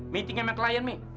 meetingnya memang kelayan mi